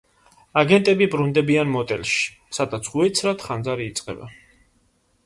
აგენტები ბრუნდებიან მოტელში, სადაც უეცრად ხანძარი იწყება.